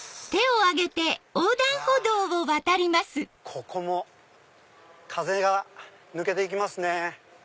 ここも風が抜けていきますね。